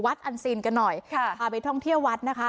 อันซีนกันหน่อยค่ะพาไปท่องเที่ยววัดนะคะ